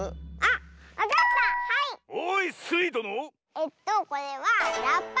えっとこれはラッパ！